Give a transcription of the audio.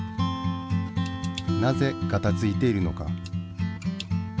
なぜガタついているのか？